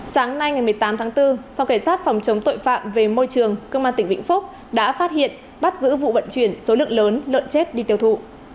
sáng nay ngày một mươi tám tháng bốn phòng cảnh sát phòng chống tội phạm về môi trường công an tỉnh vĩnh phúc đã phát hiện bắt giữ vụ vận chuyển số lượng lớn lợn chết đi tiêu thụ